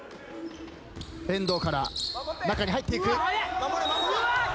遠藤から中に入っていく！